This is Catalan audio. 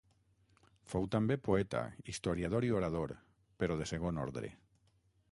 Fou també poeta, historiador i orador, però de segon ordre.